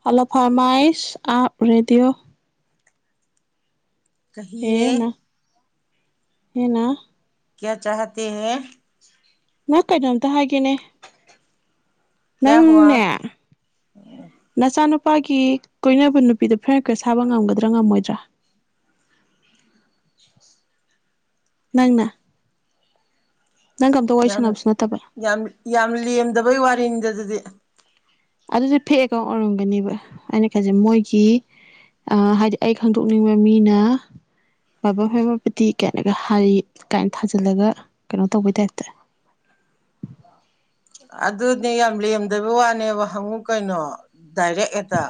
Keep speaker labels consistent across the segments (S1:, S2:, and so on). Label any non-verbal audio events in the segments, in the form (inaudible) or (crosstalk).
S1: ꯇꯂꯞ (unintelligible) (unintelligible) ꯐꯔꯃꯥꯏꯁ ꯑꯞ ꯔꯦꯗꯤꯌꯑꯣ
S2: ꯀꯍꯤꯌꯦ
S1: ꯍꯦꯅꯥ
S2: ꯀꯌꯥ ꯆꯥꯍꯥ ꯇꯦ ꯍꯦ
S1: ꯅ ꯀꯩꯅꯣꯝꯇ ꯍꯥꯏꯒꯦꯅꯦ ꯅꯪꯅꯦ ꯅꯆꯥꯅꯨꯄꯥ ꯅꯨꯄꯥꯒꯤ ꯀꯣꯏꯅꯕ ꯅꯨꯄꯤꯗꯣ ꯐꯔꯦꯟ ꯔꯤꯀꯋꯥꯁ ꯊꯕꯥ ꯉꯝꯒꯗ꯭ꯔꯥ ꯉꯝꯃꯣꯏꯗ꯭ꯔꯥ ꯅꯪꯅ ꯅꯪꯒ ꯑꯝꯇ ꯋꯥꯔꯤ
S2: ꯌꯥꯝ
S1: ꯁꯥꯟꯅꯕꯁꯨ ꯅꯠꯇꯕ
S2: ꯌꯥꯝ ꯌꯥꯝ ꯂꯦꯝꯗꯕꯩ ꯋꯥꯔꯤꯅꯤꯗ (inaudible) (unintelligible)
S1: ꯑꯗꯨꯗꯤ ꯐꯦꯛ ꯑꯦꯀꯥꯎꯟ ꯑꯣꯏꯔꯝꯒꯅꯦꯕ ꯑꯩꯅ ꯈꯟꯖꯩ ꯃꯣꯏꯒꯤ ꯍꯥꯏꯗꯤ ꯑꯩ ꯈꯪꯗꯣꯛꯅꯤꯡꯕ ꯃꯤꯅ ꯕꯥ ꯃꯃꯄꯗꯤꯤ ꯀꯥꯏꯅꯒ ꯍꯥꯏꯔꯤ ꯀꯥꯏꯅ ꯊꯥꯖꯤꯜꯂꯒ ꯀꯩꯅꯣ ꯇꯧꯕꯩ ꯇꯥꯏꯞꯇ
S2: ꯑꯗꯨꯅꯦ ꯌꯥꯝ ꯂꯦꯝꯗꯕ ꯋꯥꯅꯦꯕ ꯍꯪꯉꯨ ꯀꯩꯅꯣ ꯗꯥꯏꯔꯦꯛ ꯍꯦꯛꯇ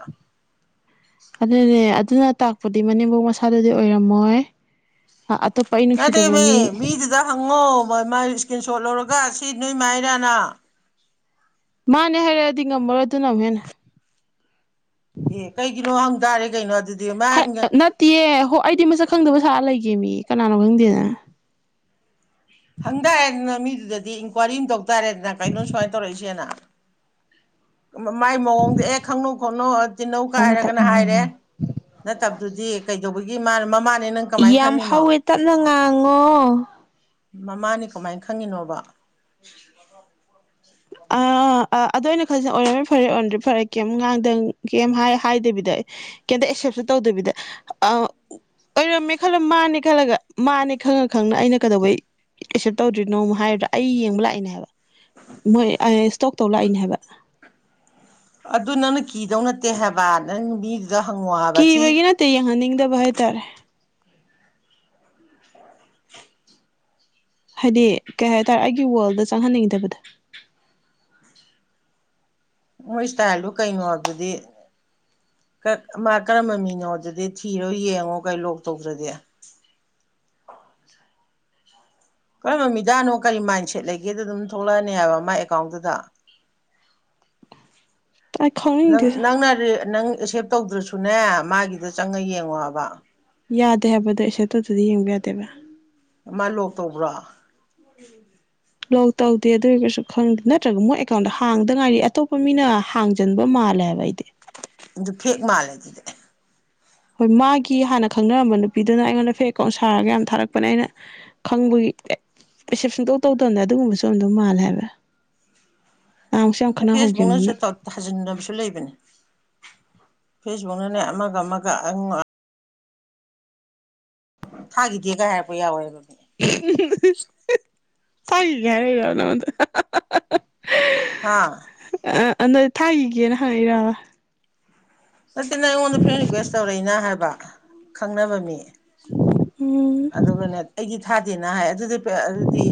S1: ꯑꯗꯨꯅꯦ ꯑꯗꯨꯅ ꯇꯥꯛꯄꯗꯤ ꯃꯅꯦꯝꯄꯧ ꯃꯁꯥꯗꯗꯤ ꯑꯣꯏꯔꯝꯃꯣꯏ ꯑꯇꯣꯞꯄ ꯑꯩ ꯅꯨꯡꯁꯤꯗꯕ
S2: ꯅꯠꯇꯦꯃꯦ
S1: ꯃꯤ
S2: ꯃꯤꯗꯨꯗ ꯍꯪꯉꯣ ꯃ ꯃꯥꯏ ꯏꯁꯀ꯭ꯔꯤꯟ ꯁꯣꯠ ꯂꯧꯔꯒ ꯁꯤ ꯅꯣꯏ ꯃꯥꯏꯔꯥꯅ ꯅꯥ
S1: ꯃꯥꯅꯦ ꯍꯥꯏꯔꯛꯑꯗꯤ ꯉꯝꯃꯔꯣꯏ ꯑꯗꯨ ꯑꯃꯨꯛ ꯍꯦꯟꯅ
S2: ꯑꯦ ꯀꯩꯒꯤꯅꯣ ꯍꯪ ꯇꯔꯦ ꯀꯩꯅꯣ ꯑꯗꯨ
S1: ꯅꯠꯇꯦꯌꯦ ꯍꯣ ꯑꯩꯗꯤ ꯃꯁꯛ ꯈꯪꯗꯕ ꯊ ꯂꯩꯒꯦ ꯃꯤ ꯀꯅꯥꯅꯣ ꯈꯪꯗꯦꯗꯅ
S2: ꯍꯪꯇꯔꯦꯗꯥꯅ ꯃꯤꯗꯨꯗ ꯏꯟꯀ꯭ꯋꯥꯏꯔꯤ ꯑꯃꯝ ꯇꯧ ꯇꯥꯔꯦꯗꯅ ꯀꯩꯅꯣ ꯁꯨꯃꯥꯏꯅ ꯇꯧꯔꯛꯏꯁꯦꯅ ꯃꯥꯏ ꯃꯑꯣꯡꯗ ꯑꯦ ꯈꯪꯅꯨ ꯈꯣꯠꯅꯨ ꯇꯤꯜꯟꯅꯧ ꯀꯥꯏꯔꯒꯅ ꯍꯥꯏꯔꯦ ꯅꯠꯇꯕꯗꯨꯗꯤ ꯀꯩꯗꯧꯕ ꯃꯃ (unintelligible)
S1: ꯌꯥꯝ ꯍꯧꯋꯦ ꯇꯞꯅ ꯉꯥꯡꯉꯣ
S2: ꯃꯃꯥꯅꯤ ꯀꯃꯥꯏꯅ ꯈꯪꯉꯤꯅꯣꯕ
S1: ꯑ ꯑꯗꯨꯗ ꯑꯣꯏꯅ ꯈꯜꯦ ꯑꯣꯏꯔꯝꯃꯦ ꯐꯔꯦ ꯑꯣꯏꯔꯝꯗ꯭ꯔꯦ ꯐꯔꯦ ꯀꯩꯝ ꯉꯥꯡꯗꯪ ꯀꯩꯝ ꯍꯥꯏꯗꯕꯤꯗ ꯀꯩꯝꯇ ꯑꯦꯛꯁꯦꯞꯇ ꯇꯧꯗꯕꯤꯗ ꯑꯣꯏꯔꯝꯃꯦ ꯈꯜꯂ ꯃꯥꯅꯦ ꯈꯜꯂꯒ ꯃꯥꯅꯦ ꯈꯪꯉ ꯈꯪꯅ ꯑꯩꯅ ꯀꯩꯗꯧꯕꯩ ꯑꯦꯛꯁꯦꯞ ꯇꯧꯗ꯭ꯔꯤꯅꯣꯃ ꯍꯥꯏꯔꯗ꯭ꯔꯥ ꯑꯩ ꯌꯦꯡꯕ ꯂꯥꯛꯏꯅꯦ ꯍꯥꯏꯕ ꯃꯣꯏ ꯏꯁꯇꯣꯛ ꯇꯧ ꯂꯥꯛꯏꯅꯦ ꯍꯥꯏꯕ
S2: ꯑꯗꯨ ꯅꯪꯅ ꯀꯤꯗꯧ ꯅꯠꯇꯦ ꯍꯥꯏꯕ ꯅꯪ ꯃꯤ
S1: ꯀꯤꯕꯒꯤ ꯅꯠꯇꯦ ꯌꯦꯡꯍꯟꯅꯤꯡꯗꯕ ꯍꯥꯏꯇꯥꯔꯦ ꯍꯥꯏꯗꯤ ꯀꯩ ꯍꯥꯏꯇꯥꯥꯔꯦ ꯑꯩꯒꯤ ꯋꯥꯔꯜꯗ ꯆꯪꯍꯟꯅꯤꯡꯗꯕꯗꯣ
S2: ꯃꯣꯏ ꯏꯁꯇꯥꯏꯜꯗꯨ ꯀꯩꯅꯣ ꯑꯗꯨꯕꯗꯗꯤ ꯃꯥ ꯀꯔꯝꯕ ꯃꯤꯅꯣꯗꯗꯤ ꯊꯤꯔꯣ ꯌꯦꯡꯉꯣ ꯀꯩ ꯂꯣꯛ ꯇꯧꯗ꯭ꯔꯗꯤꯦ ꯀꯔꯝꯕꯃꯤꯗꯥꯅꯣ ꯀꯔꯤ ꯃꯥꯏꯟꯁꯦꯠ ꯂꯩꯒꯦꯗ ꯑꯗꯨꯝ ꯊꯣꯛꯂꯛꯑꯅꯤ ꯍꯥꯏꯕ ꯃꯥꯥꯏ ꯑꯦꯀꯥꯎꯟꯗꯨꯗ
S1: ꯑꯩ
S2: ꯪ
S1: ꯈꯪꯅꯤꯡꯗꯦꯗ
S2: ꯅꯪꯅ ꯅꯪꯦ (unintelligible) ꯇꯧꯗ꯭ꯔꯁꯨꯅꯦ ꯃꯥꯒꯤꯗ ꯆꯪꯉ ꯌꯦꯡꯉꯣꯕ
S1: ꯌꯥꯗꯦ ꯍꯥꯏꯕꯗꯣ ꯑꯩꯁꯦ ꯑꯇꯗꯗꯤ ꯌꯦꯡꯕ ꯌꯥꯗꯦꯕ
S2: ꯃꯥ ꯂꯣꯛ ꯇꯧꯕ꯭ꯔꯥ
S1: ꯂꯣꯛ ꯇꯧꯗꯦ ꯑꯗꯨ ꯑꯣꯏꯔꯒꯁꯨ ꯈꯪꯗꯦ ꯅꯠꯇ꯭ꯔꯒ ꯃꯣꯏ ꯑꯦꯀꯥꯎꯟꯗ ꯍꯥꯡꯗ ꯉꯥꯏꯔꯤ ꯑꯇꯣꯞꯄ ꯃꯤꯅ ꯍꯥꯡꯖꯟꯕ ꯃꯥꯜꯂꯦ ꯍꯥꯏꯕ ꯑꯩꯗꯤ
S2: ꯑꯗꯨ ꯍꯦꯛ ꯃꯥꯜꯂꯦ ꯑꯗꯨꯗꯤ
S1: ꯍꯣꯏ ꯃꯥꯒꯤ ꯍꯥꯟꯅ ꯈꯪꯅꯔꯝꯕ ꯅꯨꯄꯤꯗꯨꯅ ꯑꯩꯉꯣꯟꯗ ꯐꯦꯛꯀꯥꯎꯟ ꯁꯥꯔꯒ ꯌꯥꯝ ꯊꯥꯔꯛꯄꯅꯦ ꯑꯩꯅ ꯈꯪꯕꯒꯤ ꯔꯤꯁꯦꯞꯁꯟ ꯇꯧ ꯇꯧꯗꯕꯗ ꯑꯗꯨꯒꯨꯝꯕꯁꯨ ꯑꯝꯗ ꯃꯥꯜꯂꯦ ꯍꯥꯏꯕ ꯅꯍꯥꯟꯃꯨꯛꯁꯨ ꯌꯥꯝ
S2: ꯐꯦꯁꯕꯨꯛꯅꯁꯨ
S1: ꯈꯠꯅꯍꯧꯈꯤꯕꯅꯤꯅ
S2: ꯊꯥꯖꯤꯟꯅꯕꯁꯨ ꯂꯩꯕꯅꯦ ꯐꯦꯁꯕꯨꯛꯅꯅꯦ ꯑꯃꯒ ꯑꯃꯒ ꯊꯥ ꯈꯤꯇꯤ ꯀꯦ ꯍꯦꯔꯄꯔꯤꯌꯥ ꯑꯣꯏꯒꯣ
S1: ꯇ ꯀꯔꯒꯅ ꯍꯥꯏꯔꯤꯔꯣ ꯃꯑꯣꯡꯗ
S2: ꯑꯥ
S1: ꯑꯗꯨꯗ ꯊꯥꯈꯤꯒꯦꯅ ꯍꯪꯏꯔꯕ
S2: ꯅꯠꯇꯦ ꯅ ꯑꯩꯉꯣꯟꯗ ꯐꯣꯔꯦꯟ ꯔꯤꯀ꯭ꯋꯦꯁ ꯇꯧꯔꯛꯏꯅ ꯍꯥꯏꯕ ꯈꯪꯅꯕ ꯃꯤ
S1: ꯎꯝ
S2: ꯑꯗꯨꯒꯅꯦ ꯑꯩꯒꯤ ꯊꯥꯗꯦꯅ ꯍꯥꯏ ꯑꯗꯨꯗꯤ ꯑꯗꯨꯗꯤ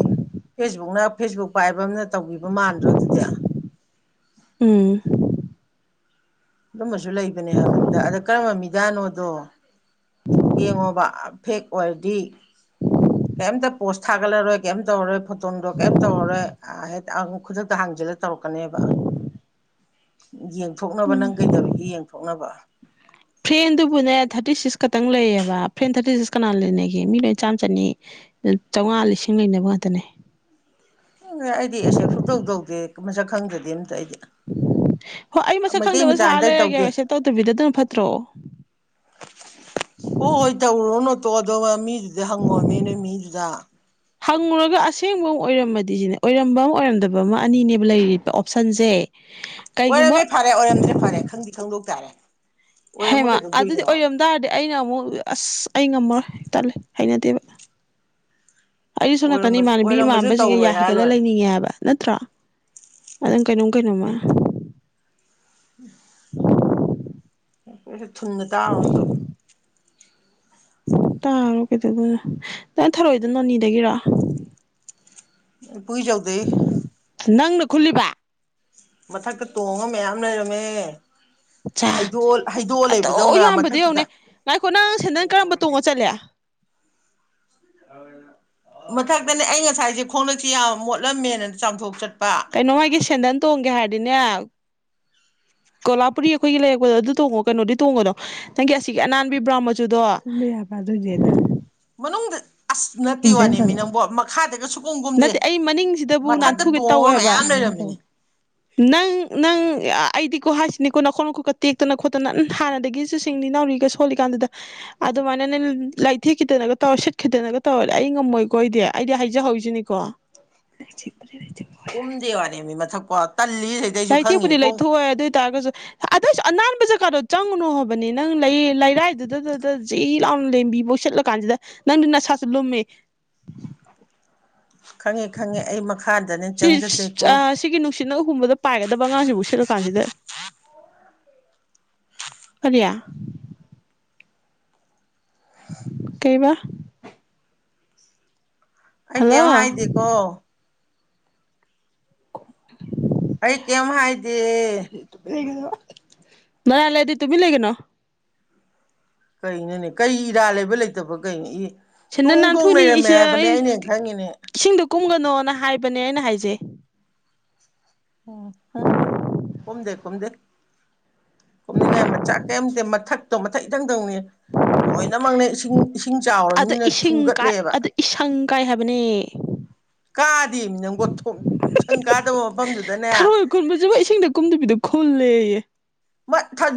S2: ꯐꯦꯁꯕꯨꯛꯅ ꯐꯦꯁꯕꯨꯛ ꯄꯥꯏꯕ ꯑꯃꯝꯅ ꯇꯧꯕꯤꯕ ꯃꯥꯟꯗ꯭ꯔꯣ ꯑꯗꯨꯗꯤ
S1: ꯎꯝ
S2: ꯑꯗꯨꯃꯁꯨ ꯂꯩꯕꯅꯦ ꯍꯥꯏꯕꯅꯤꯗ ꯑꯗ ꯀꯔꯝꯕ ꯃꯤ ꯅꯣꯗꯣ ꯌꯦꯡꯉꯣꯕ ꯐꯦꯛ ꯑꯣꯏꯔꯗꯤ ꯀꯦꯝꯇ ꯄꯣꯁ ꯊꯥꯒꯠꯂꯔꯣꯏ ꯀꯩꯝ ꯇꯧꯔꯔꯣꯏ ꯐꯣꯇꯣ ꯅꯨꯡꯗꯣ ꯀꯩꯝ ꯇꯧꯔꯔꯣꯏ ꯍꯦꯛ ꯑꯃꯨꯛ ꯈꯨꯗꯛꯇ ꯍꯥꯡꯖꯜꯂ ꯇꯧꯔꯛꯀꯅꯦꯕ ꯌꯦꯡꯊꯣꯛꯅꯕ ꯅꯪ ꯀꯩꯗꯧꯔꯤꯒꯦ ꯌꯦꯡꯊꯣꯛꯅꯕ
S1: ꯐ꯭ꯔꯦꯟꯗꯨꯕꯨꯅꯦ ꯊꯥꯔꯇꯤ ꯁꯤꯛꯁ ꯈꯛꯇꯪ ꯂꯩꯌꯦꯕ ꯐ꯭ꯔꯦꯟ ꯊꯥꯔꯇꯤ ꯁꯤꯛꯁ ꯀꯅꯥ ꯂꯩꯅꯒꯦ ꯃꯤ ꯂꯣꯏ ꯆꯥꯝ ꯆꯅꯤ ꯆꯥꯝꯃꯉꯥ ꯂꯤꯁꯤꯡ ꯂꯩꯅꯕ ꯉꯥꯛꯇꯅꯦ
S2: ꯎ ꯑꯩꯗꯤ ꯑꯁꯦ ꯐꯨꯇꯧ ꯇꯧꯗꯦ ꯃꯁꯛ ꯈꯪꯗꯗꯤꯦ ꯑꯝꯇ ꯑꯩꯗꯤ
S1: ꯍꯣꯏ ꯑꯩ ꯃꯁꯛ
S2: ꯃꯩꯇꯩ
S1: ꯈꯪꯗꯕ ꯁꯥꯔ
S2: ꯃꯆꯥꯗ ꯇꯧꯗꯦ
S1: ꯂꯩꯔꯒꯦꯕ ꯑꯦꯁꯦꯞ ꯇꯧꯗꯕꯤꯗꯗꯅ ꯐꯠꯇ꯭ꯔꯣ
S2: ꯍꯣꯏ ꯇꯎꯔꯅꯤ ꯇꯣꯛꯑꯣ ꯑꯗꯨꯒ ꯃꯤ ꯍꯪꯉꯣꯃꯦ ꯅꯣꯏ ꯃꯤꯗꯨꯗ
S1: ꯍꯪꯉꯨꯔꯒ ꯑꯁꯦꯡꯕ ꯃꯨꯛ ꯑꯣꯏꯔꯝꯃꯗꯤ ꯁꯤꯅꯦ ꯑꯣꯏꯔꯝꯕ ꯑꯃ ꯑꯣꯏꯔꯝꯗꯕ ꯑꯃ ꯑꯅꯤꯅꯦꯕ ꯂꯩꯔꯤꯗꯣ ꯑꯣꯞꯁꯟꯖꯦ
S2: ꯑꯣꯏꯔꯝꯃꯦ ꯐꯔꯦ ꯑꯣꯏꯔꯝꯗ꯭ꯔꯦ ꯐꯔꯦ ꯈꯪꯗꯤ ꯈꯪꯗꯣꯛ ꯇꯥꯔꯦ ꯑꯣꯏꯔꯝꯃ
S1: ꯍꯦꯃ ꯑꯗꯨꯗꯤ
S2: ꯀꯩꯗꯧꯗꯣꯏꯅꯣ
S1: ꯑꯣꯏꯔꯝ ꯇꯔꯗꯤ ꯑꯩꯅ ꯑꯃꯨꯛ ꯑꯁ ꯉꯝꯃꯔꯣꯏ ꯇꯜꯂ ꯍꯩꯅꯗꯦꯕ ꯑꯩ ꯁꯣꯝ ꯅꯥꯀꯅꯤ
S2: ꯑꯣꯏꯔꯝꯃ
S1: ꯏꯃꯥꯟꯅꯕꯤ
S2: ꯑꯣꯏꯔꯝꯃꯁꯨ
S1: ꯏꯃꯥꯟꯅꯕꯁꯤꯡꯒ
S2: ꯇꯧꯔꯣꯏ
S1: ꯌꯥ
S2: ꯍꯥꯏꯔ
S1: ꯍꯒꯠꯂ
S2: ꯂꯣꯏꯔꯦ
S1: ꯂꯩꯅꯤꯡꯉꯦ ꯍꯥꯏꯕ ꯅꯠꯇ꯭ꯔꯣ ꯑꯗꯨꯝ ꯀꯩꯅꯣꯝ ꯀꯩꯅꯣꯃ
S2: ꯎꯝ ꯑꯣꯏꯠ ꯊꯨꯅ ꯇꯥꯔꯣ ꯑꯗꯣ
S1: ꯇꯥꯔꯣ ꯀꯩꯗꯗꯅ ꯅꯪ ꯊꯔꯣꯏꯏꯗ ꯅꯣꯅꯤꯗꯒꯤꯔ
S2: ꯄꯨꯈꯤꯁ ꯆꯜꯗ
S1: ꯅꯪꯅ ꯈꯨꯜꯂꯤꯕ
S2: ꯃꯊꯛꯇ ꯇꯣꯡꯉ ꯃꯌꯥꯝ ꯂꯩꯔꯝꯃꯦ ꯍꯩꯗꯣꯛꯑ ꯍꯩꯗꯣꯛꯑ
S1: ꯑꯇꯧ
S2: ꯂꯩꯕꯗꯧꯅ
S1: ꯌꯥꯝꯕꯗꯤ ꯌꯧꯅꯦ
S2: ꯃꯊꯛꯇꯨꯗ
S1: ꯉꯥꯏꯈꯣ ꯅꯪ ꯁꯦꯟꯗꯟ ꯀꯔꯝꯕ ꯇꯣꯡꯉ ꯆꯠꯂꯦ
S2: ꯃꯊꯛꯇꯅꯦ ꯑꯩ ꯉꯁꯥꯏꯁꯦ ꯈꯣꯡꯡꯂꯛꯁꯤꯦ ꯌꯥꯝ ꯃꯣꯠꯂꯝꯃꯦꯅ ꯆꯥꯝꯊꯣꯛ ꯆꯠ
S1: ꯀꯩꯅꯣ ꯑꯩꯒꯤ ꯁꯟꯗꯂ ꯇꯣꯡꯒꯦ ꯍꯥꯏꯔꯗꯤꯅꯦ ꯀꯣꯂꯥꯄꯨꯔꯤ ꯑꯩꯈꯣꯏꯒꯤ ꯂꯩꯔꯛꯄꯗꯣ ꯑꯗꯨ ꯇꯣꯡꯉꯣ ꯀꯩꯅꯣꯗꯤ ꯇꯣꯡꯉꯗꯣ ꯅꯪꯒꯤ ꯑꯁꯤꯒꯤ ꯑꯅꯥꯟꯕꯤꯕ꯭ꯔꯥ ꯃꯆꯨꯗꯣ
S2: ꯍ ꯁꯨꯀꯨꯝ ꯀꯨꯝꯗꯦ
S1: ꯅꯠꯇꯦ ꯑꯩ ꯃꯅꯤꯡꯁꯤꯗꯕꯨ
S2: ꯃꯊꯛꯇ
S1: ꯅꯥꯟꯊꯨꯒꯦ
S2: ꯇꯣꯡꯉ
S1: ꯇꯧꯋꯦꯕ
S2: ꯃꯌꯥꯝ ꯂꯩꯔꯝꯃꯤꯅꯤ
S1: ꯅꯪ ꯅꯪ ꯑꯩꯗꯤꯀꯣ ꯍꯥꯏꯁꯤꯅꯤꯀꯣ ꯅꯈꯣꯛ ꯅꯈꯣꯛꯀ ꯇꯦꯛꯇꯅ ꯈꯣꯠꯇꯅ ꯍꯥꯟꯅꯗꯒꯤꯁꯨ ꯁꯤꯡꯂꯤꯅꯤ ꯅꯥꯎꯔꯤꯒ ꯁꯣꯜꯂꯤꯀꯥꯟꯗꯨꯗ ꯑꯗꯨꯃꯥꯏꯅ ꯅ ꯂꯥꯏꯊꯦꯛꯈꯤꯗꯅꯒ ꯇꯧꯔ ꯁꯤꯠꯈꯤꯗꯅꯒ ꯇꯧꯔꯗꯤꯦ ꯑꯩ ꯉꯝꯃꯣꯏꯀꯣꯗꯤ ꯑꯩꯗꯤ ꯍꯥꯏꯖꯍꯧꯁꯤꯅꯤꯀꯣ
S2: ꯀꯨꯝꯗꯤꯦꯋꯥꯔꯦꯃꯤ ꯃꯊꯛ ꯄꯣ
S1: ꯂꯩꯅꯥꯊꯦꯛꯄꯨꯗꯤ ꯂꯩꯊꯣꯛꯑꯣ ꯑꯗꯨ ꯑꯣꯏ ꯇꯥꯔꯒꯁꯨ ꯑꯗꯨꯏꯁꯨ ꯑꯅꯥꯟꯕ ꯖꯒꯥꯗꯣ ꯆꯪꯉꯨꯅꯨ ꯍꯥꯏꯣꯕꯅꯦ ꯅꯪ ꯂꯩꯔꯥꯏꯗꯨꯗꯗꯨ ꯖꯤ ꯂꯥꯎꯅ ꯂꯦꯝꯕꯤꯕꯣꯏꯁꯤꯠꯂ ꯀꯥꯟꯁꯤꯗ ꯅꯪꯗꯤ ꯅꯁꯥꯁꯨ ꯂꯨꯝꯃꯦ
S2: ꯈꯪꯉꯦ ꯈꯪꯉꯦ ꯑꯩ ꯃꯈꯥꯗꯅꯦ
S1: ꯁꯤ
S2: ꯆꯪꯖꯗꯦꯀꯣ
S1: ꯁꯤꯒꯤ ꯅꯨ ꯁꯤꯅ ꯑꯍꯨꯝꯕꯗ ꯄꯥꯏꯒꯗꯕ ꯑꯉꯥꯡꯁꯤꯕꯨ ꯁꯠꯂꯀꯥꯟꯁꯤꯗ ꯀꯔꯤ ꯀꯩꯕꯥ
S2: ꯑꯩ ꯀꯩꯝ ꯍꯥꯏꯗꯦꯀꯣ ꯑꯩ ꯀꯩꯝ ꯍꯥꯏꯗꯦ
S1: ꯉ ꯂꯩꯗꯤ ꯇꯨꯃꯤ ꯂꯩꯒꯅꯣ
S2: ꯀꯩꯅꯣꯅꯦ ꯀꯩ ꯏꯔꯥ ꯂꯩꯕ ꯂꯩꯇꯕꯣ ꯀꯩꯅꯣ ꯏ
S1: ꯁꯤꯅ
S2: ꯇꯣꯡ ꯇꯣꯡ
S1: ꯅꯥꯟꯊꯣꯏꯅꯤ
S2: ꯂꯩꯔꯝꯃꯦ
S1: ꯑꯩꯁꯦ
S2: ꯍꯥꯏꯕꯅꯦ
S1: ꯑꯩ
S2: ꯑꯩꯅ ꯍꯦꯛ ꯈꯪꯉꯤꯅꯦ
S1: ꯏꯁꯤꯡꯗ ꯀꯨꯝꯒꯅꯣꯅ ꯍꯥꯏꯕꯅꯦ ꯑꯩꯅ ꯍꯥꯏꯖꯩ
S2: ꯎꯝ ꯎꯝ ꯀꯨꯝꯗꯦ ꯀꯨꯝꯗꯦ ꯀꯨꯝꯅꯤꯡꯉꯥꯏ ꯃꯆꯥꯛ ꯀꯔꯤꯝꯇꯦ ꯃꯊꯛꯇꯣ ꯃꯊꯛ ꯏꯊꯪꯗꯧꯅꯤ ꯂꯣꯏꯅꯃꯛꯅꯦ ꯏꯁꯤꯡ
S1: ꯑꯗ
S2: ꯆꯥꯎꯔꯕꯅꯤꯅ
S1: ꯏꯁꯤꯡ ꯀꯥꯏ
S2: ꯊꯨꯝꯒꯠꯂꯦꯕ
S1: ꯑ ꯏꯪ ꯀꯥꯏ ꯍꯥꯏꯕꯅꯤ (inaudible)
S2: ꯀꯥꯗꯦ ꯅꯪꯒꯣꯊꯣꯛ ꯏꯁꯪ ꯀꯥꯗꯕ ꯃꯐꯝꯗꯨꯗꯅꯦ
S1: ꯊꯔꯣꯏ ꯈꯨꯟꯕꯁꯤꯕꯨ ꯏꯁꯤꯡꯗ ꯀꯨꯝꯗꯕꯤꯗ ꯈꯨꯜꯂꯦꯌꯦ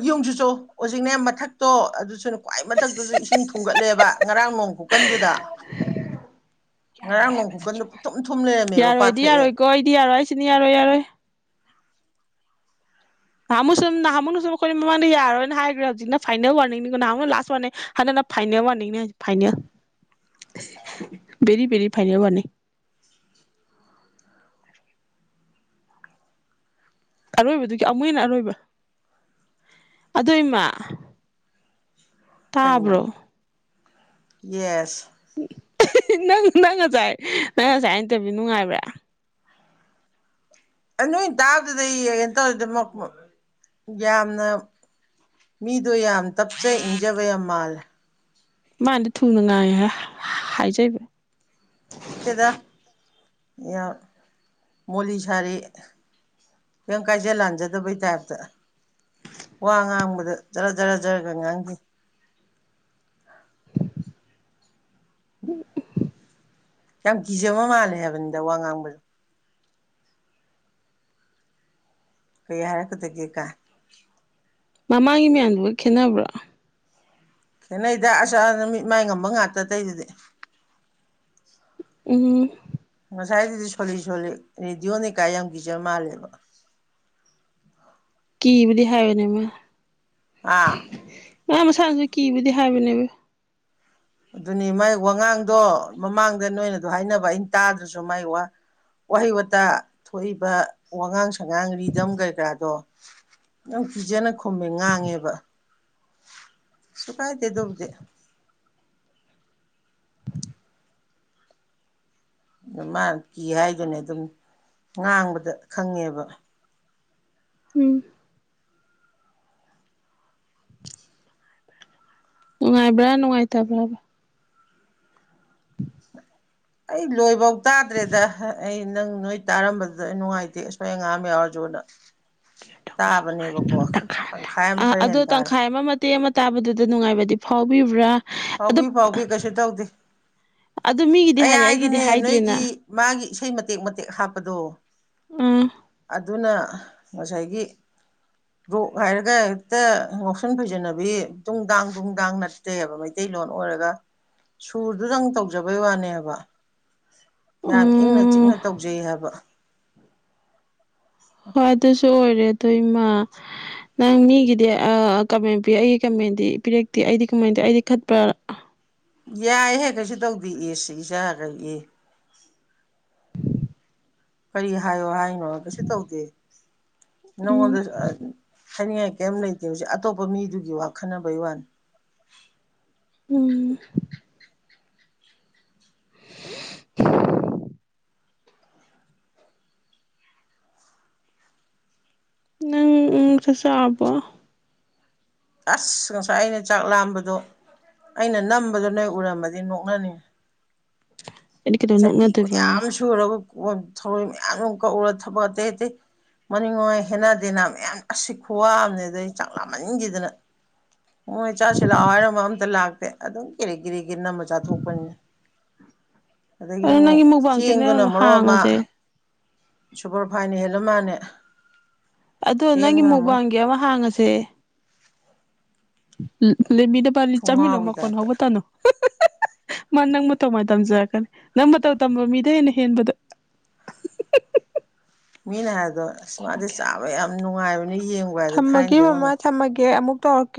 S2: ꯌꯣꯡꯁꯤ ꯆ ꯍꯧꯖꯤꯛꯅꯦ ꯃꯊꯛꯇꯣ ꯑꯗꯨꯁꯨ ꯈ꯭ꯋꯥꯏ ꯃꯊꯛꯇꯨꯁꯨ ꯏꯁꯤꯡ ꯊꯨꯝꯒꯠꯂꯦꯕ ꯉꯔꯥꯡ ꯅꯣꯡ ꯈꯨꯀꯟꯗꯨꯗ ꯉꯔꯥꯡ
S1: ꯌꯥꯔꯣꯏ
S2: ꯅꯣꯡ
S1: ꯍꯥꯏꯕ
S2: ꯈꯨꯀꯟꯗꯨ
S1: ꯅꯠꯇ꯭ꯔꯣ
S2: ꯊꯨꯝ ꯊꯨꯝ ꯂꯩꯔꯝꯃꯦꯕ
S1: ꯌꯥꯔꯣꯏꯗꯤ
S2: ꯄꯥꯊꯣꯛꯑꯦ
S1: ꯌꯥꯔꯣꯏꯀꯣ ꯑꯩꯗꯤ ꯌꯥꯔꯣꯏ ꯑꯩꯁꯤꯅ ꯌꯥꯔꯣꯏ ꯌꯥꯔꯣꯏ ꯅꯍꯥꯃꯨꯁꯨ ꯅꯍꯥꯃꯣꯅꯁꯨ ꯑꯩꯈꯣꯏꯅ ꯃꯃꯥꯡꯗ ꯌꯥꯔꯣꯏꯅ ꯍꯥꯏꯈ꯭ꯔꯦ ꯍꯧꯖꯤꯛꯅ ꯐꯥꯏꯅꯦꯜ ꯋꯥꯔꯅꯤꯡꯅꯤꯀꯣ ꯅꯍꯥꯅ ꯂꯥꯁ ꯋꯥꯔꯅꯦ ꯍꯟꯗꯛꯅ ꯐꯥꯏꯅꯦꯜ ꯋꯥꯔꯅꯤꯡꯅꯤ ꯍꯧꯖꯤꯛ final very very final warning ꯑꯔꯣꯏꯕꯗꯨꯒꯤ ꯑꯃꯨꯛ ꯍꯦꯟꯅ ꯑꯔꯣꯏꯕ ꯑꯗꯨꯏꯃ
S2: ꯀꯩꯅꯣ
S1: ꯇꯥꯕ꯭ꯔꯣ
S2: ꯌꯦꯁ
S1: ꯅꯪ ꯅꯪ ꯉꯁꯥꯏ ꯅꯪ ꯉꯁꯥꯏ ꯏꯟꯇꯕꯤꯌꯨ ꯅꯨꯡꯉꯥꯏꯕ꯭ꯔꯥ
S2: ꯑꯅꯣꯣꯏ ꯏ ꯇꯥꯎꯕꯗꯗ ꯗꯃꯛ ꯌꯥꯝꯅ ꯃꯤꯗꯣ ꯌꯥꯝ ꯇꯞꯆ ꯏꯟꯖꯕ ꯌꯥꯝ ꯃꯥꯜꯂꯦ
S1: ꯃꯥꯗ ꯊꯨꯡꯅ ꯉꯉꯍ ꯍꯥꯏꯖꯩꯕ
S2: ꯏꯇꯦꯗ ꯃꯣꯂꯤ ꯁꯥꯔꯤ ꯀꯤꯝ ꯀꯥꯏꯖ ꯂꯥꯟꯖꯗꯕꯩ ꯇꯥꯏꯞꯇ ꯋꯥ ꯉꯥꯡꯕꯗ ꯖꯔ ꯖꯔ ꯖꯔꯒ ꯉꯥꯡꯈꯤ
S1: (inaudible) (unintelligible)
S2: ꯌꯥꯝ ꯀꯤꯖꯕ ꯃꯥꯜꯂꯦ ꯍꯥꯏꯕꯅꯤꯗ ꯋꯥ ꯉꯥꯡꯕꯗꯣ ꯀꯩ ꯍꯥꯏꯔꯛꯀꯗꯒꯦ ꯀ
S1: ꯃꯃꯥꯡꯒꯤ ꯃꯌꯥꯝꯗꯨꯒ ꯈꯦꯠꯅꯕ꯭ꯔꯥ
S2: ꯈꯦꯅꯩꯗ ꯑꯁꯥ ꯅꯨ ꯃꯤꯠ ꯃꯥꯏ ꯉꯝꯕ ꯉꯥꯛꯇꯇꯩꯗꯨꯗꯤ
S1: ꯎꯝ
S2: ꯉꯁꯥꯏꯗꯗꯤ ꯁꯣꯜꯂꯤ ꯁꯣꯜꯂꯤ ꯔꯦꯗꯤꯑꯣꯅꯤꯀꯥꯏ ꯌꯥꯝ ꯀꯤꯖ ꯃꯥꯜꯂꯦꯕ
S1: ꯀꯤꯕꯨꯗꯤ ꯍꯥꯏꯋꯦꯅꯦ ꯃꫭꯏꯅ
S2: ꯑꯥ
S1: ꯃꯥ ꯃꯁꯥꯁꯨ ꯀꯤꯕꯨꯗꯤ ꯍꯥꯏꯕꯅꯦꯕ
S2: ꯑꯗꯨꯅꯤ ꯃꯥꯏ ꯋꯥꯉꯥꯡꯗꯣ ꯃꯃꯥꯡꯗ ꯅꯣꯏꯅꯗꯣ ꯍꯥꯏꯅꯕ ꯑꯩꯅ ꯇꯥꯗ꯭ꯔꯁꯨ ꯃꯥꯏ ꯋꯥꯍꯩ ꯋꯥꯇꯥ ꯊꯣꯛꯏꯕ ꯋꯥꯉꯥꯡ ꯁꯉꯥꯡ ꯔꯤꯗꯝ ꯀꯩꯀꯔꯥꯗꯣ ꯌꯥꯝ ꯄꯤꯖꯅ ꯈꯨꯝꯃꯦ ꯉꯥꯡꯉꯦꯕ ꯀꯩꯁꯨ ꯀꯥꯏꯗꯦ ꯗꯣꯕꯨꯗꯤ ꯃꯥꯅ ꯀꯤ ꯍꯥꯏꯗꯨꯅꯦ ꯑꯗꯨꯝ ꯉꯥꯡꯕꯗ ꯈꯪꯉꯦꯕ
S1: ꯎꯝ ꯅꯨꯡꯉꯥꯏꯕ꯭ꯔꯥ ꯅꯨꯡꯉꯥꯏꯇꯕ꯭ꯔꯥꯕ ꯎꯝ
S2: ꯑꯩ ꯂꯣꯏꯕ ꯇꯥꯗ꯭ꯔꯦꯗ ꯅꯪ ꯅꯣꯏ ꯇꯥꯔꯝꯕꯗꯨꯗ ꯑꯩ ꯅꯨꯡꯉꯥꯏꯇꯦ ꯑꯁꯣꯏ ꯑꯉꯥꯝ ꯌꯥꯎꯔꯖꯨꯅ ꯇꯥꯕꯅꯦꯕꯀꯣ ꯇꯪꯈꯥꯏ ꯑꯃ ꯈꯔ ꯍꯦꯟ ꯇꯥꯔꯦ
S1: ꯇꯦꯛ ꯑꯃ ꯇꯥꯕꯗꯨꯗ ꯅꯨꯡꯉꯥꯏꯕꯗꯤ ꯐꯥꯎꯕꯤꯕ꯭ꯔꯥ ꯑꯗꯣ
S2: ꯐꯥꯎꯕꯤ ꯐꯥꯎꯕꯤ ꯀꯩꯁꯨ ꯇꯧꯗꯦ
S1: ꯑꯗꯨ ꯃꯤꯒꯤꯗꯤ
S2: ꯑꯩ
S1: ꯍꯥꯏꯔꯦ ꯑꯩꯒꯤꯗꯤ
S2: ꯍꯥꯏꯗꯅꯦ
S1: ꯍꯥꯏꯗꯦꯅ
S2: ꯅꯣꯏꯒꯤ ꯃꯥꯒꯤ ꯏꯁꯩ ꯃꯇꯦꯛ ꯃꯇꯦꯛ ꯍꯥꯞꯄꯗꯣ
S1: ꯎꯝ
S2: ꯑꯗꯨꯅ ꯉꯁꯥꯏꯒꯤ ꯔꯣꯛ ꯍꯥꯏꯔꯒ ꯍꯦꯛꯇ ꯉꯎꯁꯟ ꯐꯩꯖꯟꯅꯕꯤ ꯇꯨꯡꯗꯥꯡ ꯇꯨꯡꯗꯥꯡ ꯅꯠꯇꯦꯕ ꯃꯩꯇꯩ ꯃꯩꯇꯩꯂꯣꯟ ꯑꯣꯏꯔꯒ ꯁꯨꯔꯗꯨꯗꯪ ꯇꯧꯖꯕꯩ ꯋꯥꯅꯦꯕ ꯌꯥꯝ ꯏꯪꯅ
S1: ꯎꯝ
S2: ꯆꯤꯛꯅ ꯇꯧꯖꯩ ꯍꯥꯏꯕ
S1: ꯍꯣꯏ ꯑꯗꯨꯁꯨ ꯑꯣꯏꯔꯦ ꯑꯗꯨꯏꯃ ꯅꯪ ꯃꯤꯒꯤꯗꯤ ꯀꯃꯦꯟ ꯄꯤ ꯑꯩꯒꯤ ꯀꯃꯦꯟꯗꯤ ꯄꯤꯔꯛꯇꯦ ꯑꯩꯗꯤ ꯀꯃꯥꯏꯇ ꯑꯩꯗꯤ ꯈꯠꯄ꯭ꯔꯥ
S2: ꯌꯥꯏ ꯍꯦꯛ ꯀꯩꯁꯨ ꯇꯧꯗ ꯑꯦ ꯏꯒ ꯏ ꯀꯔꯤ ꯍꯥꯏꯌꯣ ꯍꯥꯏꯅ ꯑꯗ ꯁꯤ ꯇꯧꯗ
S1: ꯎꯝ
S2: ꯅꯉꯣꯟꯗ ꯍꯥꯏꯅꯤꯡꯉꯥꯏ ꯀꯔꯤꯝ ꯂꯩꯇꯦ ꯍꯧꯖꯤꯛ ꯑꯇꯣꯞꯄ ꯃꯤꯗꯨꯒꯤ ꯋꯥꯈꯟꯅꯅꯕꯩ ꯋꯥꯟ
S1: ꯎꯝ ꯅꯪ ꯎꯝ ꯆꯠ ꯆꯕꯣ
S2: ꯑꯁ ꯉꯁꯥꯏ ꯑꯩꯅ ꯆꯥꯛ ꯂꯥꯝꯕꯗꯣ ꯑꯩꯅ ꯅꯝꯕꯗꯣ ꯅꯣꯏ ꯎꯔꯝꯃꯗꯤ ꯅꯣꯛꯅꯅꯤꯡꯉꯤ
S1: ꯑꯩꯗꯤ ꯀꯩꯗꯧ
S2: ꯆꯐꯤ ꯀ
S1: ꯅꯣꯛꯅꯗꯣꯏꯕ
S2: ꯌꯥꯝ ꯁꯨꯔꯒ ꯊꯧꯔꯣꯏ ꯃꯌꯥꯝ ꯑꯗꯨ ꯀꯧꯎꯔ ꯊꯕꯛ ꯑꯇꯩ ꯑꯇꯩ ꯃꯅꯤꯡꯉꯥꯏ ꯍꯦꯟꯅꯗꯦꯅꯥ ꯃꯌꯥꯝ ꯑꯁꯤ ꯈꯨꯋꯥꯑꯝꯅꯦ ꯑꯗꯩ ꯆꯥꯛ ꯂꯥ ꯃꯅꯤꯡꯈꯤꯗꯅ ꯑꯣ ꯏ ꯆꯆꯥꯁꯤ ꯂꯥꯛꯑꯣ ꯍꯥꯏꯔꯝꯕ ꯑꯝꯇ ꯂꯥꯛꯇꯦ ꯑꯗꯨꯝ ꯀꯦꯔꯤ ꯀꯦꯔꯤꯒꯤ ꯅꯝꯃ ꯆꯥꯊꯣꯛꯄꯅꯤꯅꯦ ꯑꯗꯒꯤ
S1: ꯑꯗꯣ
S2: ꯑꯃꯨꯛ
S1: ꯅꯪꯒꯤ ꯃꯨꯛꯕꯥꯡ ꯆꯦꯅꯦꯜ
S2: ꯆꯦꯡꯗꯨꯅ ꯃꯔꯨꯞ ꯑꯃ
S1: ꯍꯥꯡꯉꯁꯦ
S2: ꯁꯨꯄꯔ ꯐꯥꯏꯅ ꯍꯦꯜꯂ ꯃꯥꯅꯦ
S1: ꯑꯗꯨꯗ ꯅꯪꯒꯤ ꯃꯨꯕꯥꯪꯦꯋꯥ ꯍꯥꯡꯉꯁꯦ ꯎꯆꯦ ꯎꯝ ꯂꯩꯕꯤꯗ ꯄꯂꯤ ꯆꯥꯃꯤꯟꯅꯣ
S2: ꯊꯨꯡꯒꯥꯎꯒꯤ
S1: ꯃꯈꯀꯣꯟ
S2: ꯇꯥꯏꯞꯇ
S1: ꯍꯧꯕ ꯇꯥꯅꯣ ꯃꯥ ꯅꯪ ꯃꯇꯧ ꯃꯥꯏꯅ ꯇꯝꯖꯔꯛꯀꯅꯤ ꯅꯪ ꯃꯇꯧ ꯇꯝꯕ ꯃꯤꯗ ꯍꯦꯟꯅ ꯍꯦꯟꯕꯗ
S2: ꯃꯤꯅꯦ ꯍꯥꯏꯗꯨ ꯑꯁ ꯃꯥꯗꯤ ꯆꯥꯕ ꯌꯥꯝ ꯅꯨꯡꯉꯥꯏꯕꯅꯤ ꯌꯦꯡꯕ ꯍꯥꯏꯗ ꯊꯥꯏꯅꯗꯩꯩ ꯍꯧꯅ
S1: ꯇꯧꯔꯀꯦ